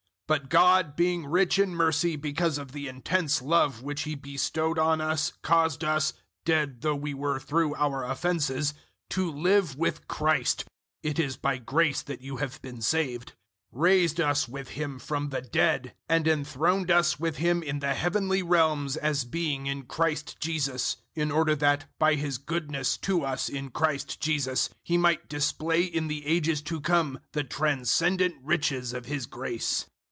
002:004 But God, being rich in mercy, because of the intense love which He bestowed on us, 002:005 caused us, dead though we were through our offences, to live with Christ it is by grace that you have been saved 002:006 raised us with Him from the dead, and enthroned us with Him in the heavenly realms as being in Christ Jesus, 002:007 in order that, by His goodness to us in Christ Jesus, He might display in the Ages to come the transcendent riches of His grace.